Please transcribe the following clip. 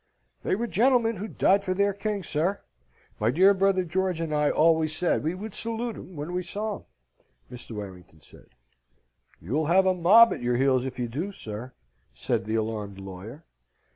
"They were gentlemen who died for their king, sir. My dear brother George and I always said we would salute 'em when we saw 'em," Mr. Warrington said. "You'll have a mob at your heels if you do, sir," said the alarmed lawyer.